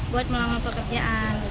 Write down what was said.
buat melawan pekerjaan